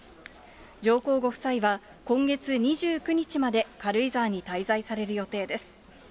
上皇ご夫妻は今月２９日まで、軽井沢に滞在される予定です。